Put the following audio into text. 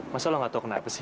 masa lo nggak tau kenapa sih